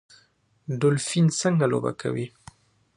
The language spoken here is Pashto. ډولفین څنګه لوبه کوي؟